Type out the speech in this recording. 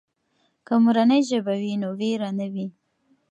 که مورنۍ ژبه وي نو وېره نه وي.